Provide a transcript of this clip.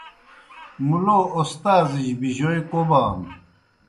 مُلو اوستازِجیْ بِجوئے کوبانوْ۔